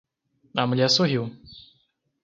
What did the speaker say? A mulher sorriu.